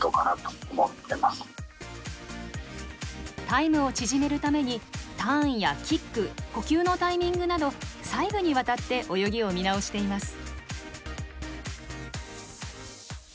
タイムを縮めるためにターンやキック呼吸のタイミングなど細部にわたって泳ぎを見直しています。